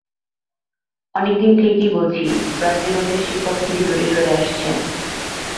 অনেক দিন থেকেই বলছি ব্রাজিল ওদের শিকড় থেকে দূরে সরে আসছে।